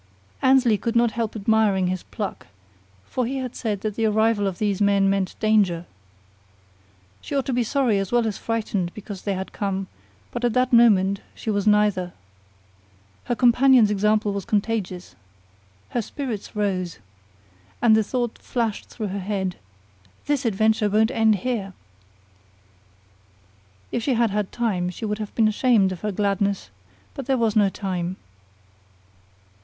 Annesley could not help admiring his pluck, for he had said that the arrival of these men meant danger. She ought to be sorry as well as frightened because they had come, but at that moment she was neither. Her companion's example was contagious. Her spirits rose. And the thought flashed through her head, "This adventure won't end here!" If she had had time she would have been ashamed of her gladness; but there was no time.